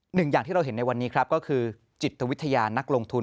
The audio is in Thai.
หนึ่งอย่างที่เราเห็นในวันนี้ครับก็คือจิตวิทยานักลงทุน